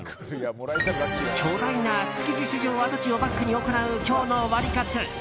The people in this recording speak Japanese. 巨大な築地市場跡地をバックに行う今日のワリカツ。